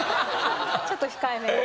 ちょっと控えめな。